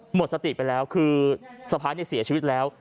หมดสติไปแล้วคือสะพ้ายเสียชีวิตแล้ว